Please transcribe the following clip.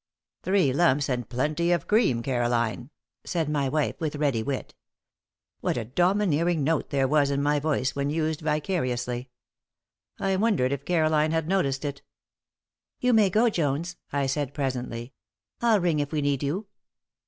"Three lumps, and plenty of cream, Caroline," said my wife, with ready wit. What a domineering note there was in my voice when used vicariously! I wondered if Caroline had noticed it. "You may go, Jones," I said, presently. "I'll ring if we need you."